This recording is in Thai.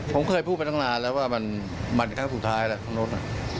ผมเคยพูดไปตั้งนานแล้วว่ามันครั้งสุดท้ายแล้วข้างนู้น